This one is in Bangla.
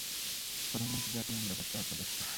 প্রধানমন্ত্রীর জাতীয় নিরাপত্তা উপদেষ্টা।